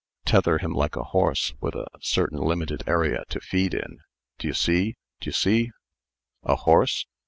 "Tether him like a horse, with a certain limited area to feed in. D'ye see? D'ye see?" "A horse?